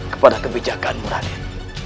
kepada kebijakan muradir